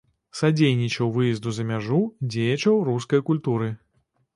Садзейнічаў выезду за мяжу дзеячаў рускай культуры.